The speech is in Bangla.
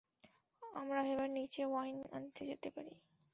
আমরা এবার নীচে ওয়াইন আনতে যেতে পারি।